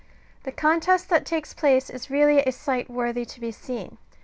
The contest that takes place is really a sight worthy to be seen.